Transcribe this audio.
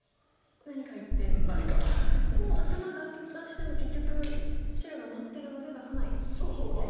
もう頭出しても結局白が待ってるので出さないんですね。